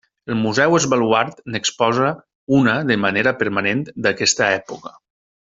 El museu Es Baluard n'exposa una de manera permanent d'aquesta època.